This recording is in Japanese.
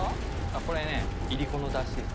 これねいりこの出汁です。